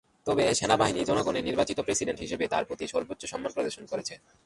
তবে সেনাবাহিনী জনগণের নির্বাচিত প্রেসিডেন্ট হিসেবে তাঁর প্রতি সর্বোচ্চ সম্মান প্রদর্শন করেছে।